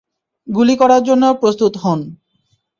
গুলি করার জন্য প্রস্তুত হোন।